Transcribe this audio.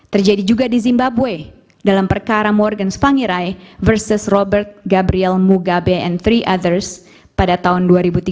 terjadi juga di zimbabwe dalam perkara morgan spanyrai versus robert gabriel mugabe entry others pada tahun dua ribu tiga belas